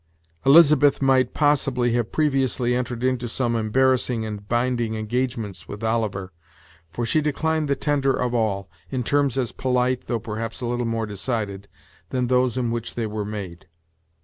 Elizabeth might, possibly, have previously entered into some embarrassing and binding engagements with Oliver, for she declined the tender of all, in terms as polite, though perhaps a little more decided, than those in which they were made.